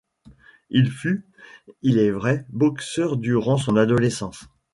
Il fut, il est vrai, boxeur durant son adolescence.